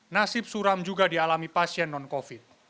nasib suram juga dialami pasien non covid